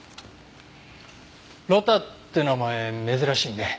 呂太って名前珍しいね。